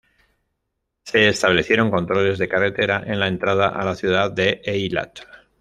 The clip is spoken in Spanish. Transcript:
Se establecieron controles de carretera en la entrada a la ciudad de Eilat.